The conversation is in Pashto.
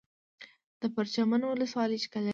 د پرچمن ولسوالۍ ښکلې ده